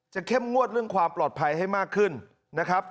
เข้มงวดเรื่องความปลอดภัยให้มากขึ้นนะครับ